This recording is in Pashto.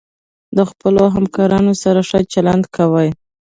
د خپلو همکارانو سره ښه چلند کوئ.